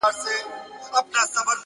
• دغه ساغر هغه ساغر هره ورځ نارې وهي ـ